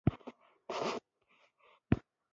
الوتکه د رادار تر څارنې لاندې وي.